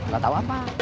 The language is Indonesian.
gak tau apa